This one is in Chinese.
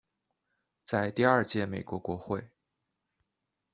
在第二届美国国会。